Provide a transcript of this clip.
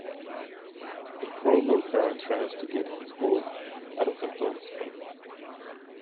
A pro golfer tries to get his ball out of a tough spot.